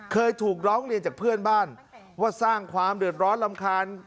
เคยถูกร้องเรียนจากเพื่อนบ้านว่าสร้างความเดือดร้อนรำคาญ